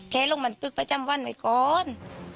แคล้ล่งมาตึกประจำวันไว้ก่อน